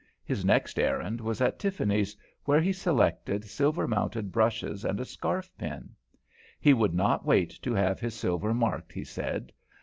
His next errand was at Tiffany's, where he selected silver mounted brushes and a scarf pin. He would not wait to have his silver marked, he said.